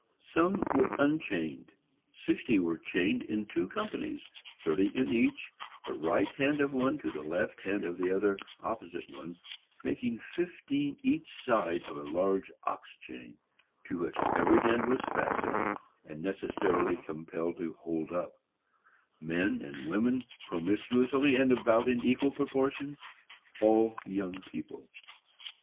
Some were unchained; sixty were chained in two companies, thirty in each, the right hand of one to the left hand of the other opposite one, making fifteen each side of a large ox chain, to which every hand was fastened, and necessarily compelled to hold up,—men and women promiscuously, and about in equal proportions,—all young people.